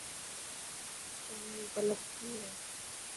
چائين ري طلب ٿي هي.